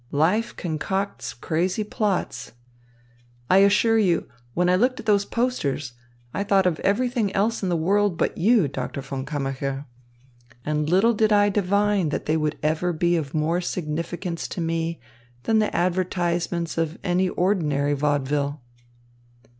Life concocts crazy plots. I assure you, when I looked at those posters, I thought of everything else in the world but you, Doctor von Kammacher. And little did I divine that they would ever be of more significance to me than the advertisements of any ordinary vaudeville."